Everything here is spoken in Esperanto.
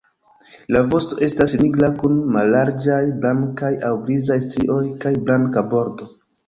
La vosto estas nigra kun mallarĝaj blankaj aŭ grizaj strioj kaj blanka bordo.